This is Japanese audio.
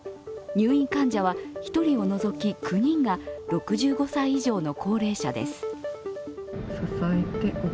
入院患者は１人を除き９人が６５歳以上の高齢者です。